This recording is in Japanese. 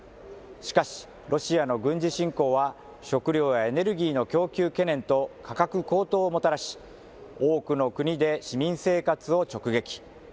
しかし、ロシアの軍事侵攻は、食料やエネルギーの供給懸念と価格高騰をもたらし、多くの国で市民生活を直撃。